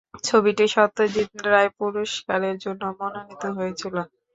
ছবিটি সত্যজিৎ রায় পুরষ্কারের জন্য মনোনীত হয়েছিল।